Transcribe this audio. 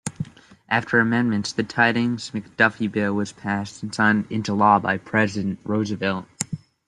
After amendments, the Tydings-McDuffie bill was passed and signed into law by President Roosevelt.